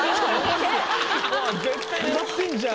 絶対狙ってんじゃん。